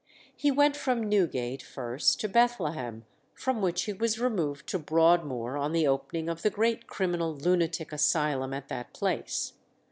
He went from Newgate first to Bethlehem, from which he was removed to Broadmoor on the opening of the great criminal lunatic asylum at that place.